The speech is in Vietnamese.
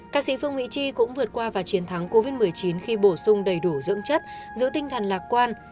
ca sĩ phương mỹ chi cũng vượt qua và chiến thắng covid một mươi chín khi bổ sung đầy đủ dưỡng chất giữ tinh thần lạc quan